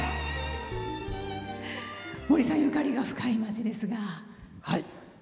森さんゆかりが深い町ですが。